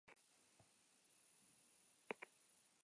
Fundazio batekin harremanetan jarri ziren adopzioa gestiona zezan.